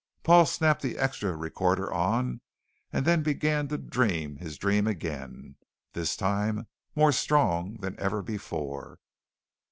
Paul snapped the extra recorder on, and then began to dream his dream again, this time more strong than ever before.